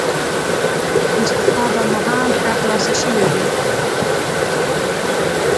اشتها به مو هم ښه خلاصه شوې وي.